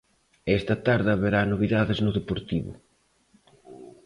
E esta tarde haberá novidades no Deportivo.